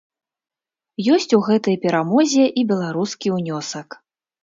Ёсць у гэтай перамозе і беларускі ўнёсак.